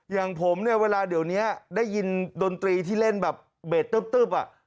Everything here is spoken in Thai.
อย่างผมเนี่ยเวลาเดี๋ยวนี้ได้ยินดนตรีที่เล่นแบบเบสตึ๊บอ่ะ